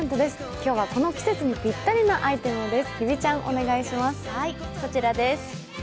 今日は、この季節にぴったりなアイテムです。